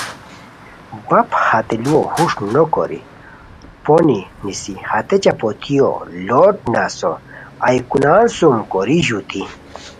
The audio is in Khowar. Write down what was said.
بپ ہتے لوؤ ہوݰ نوکوری پونی نیسی ہتے چپوتیو لوٹ نسو ایوکونان سوم کوری ژوتی